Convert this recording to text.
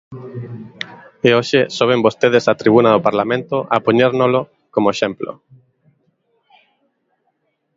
E hoxe soben vostedes á tribuna do Parlamento a poñérnolo como exemplo.